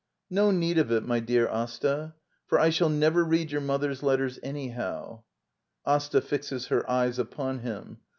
No need of it, my dear Asta, for I shall never read your mother's letters anyhow. Asta. [Fixes her eyes upon him.